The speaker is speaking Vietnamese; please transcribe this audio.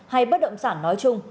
hay bất động sản nói chung